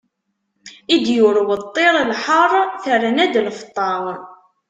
I d-yurew ṭṭir lḥeṛ, terna-d lfeṭṭa.